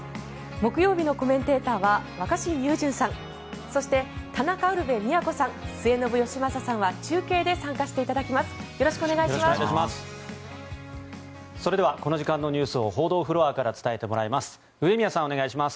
木曜日のコメンテーターは若新雄純さんそして田中ウルヴェ京さん末延吉正さんは中継で参加していただきます。